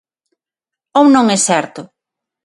¿Ou non é certo?